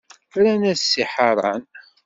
Rran-as-d: Si Ḥaṛan.